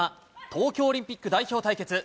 東京オリンピック代表対決。